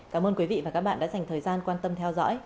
cảm ơn quý vị và các bạn đã dành thời gian quan tâm theo dõi